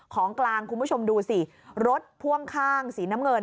ของกลางคุณผู้ชมดูสิรถพ่วงข้างสีน้ำเงิน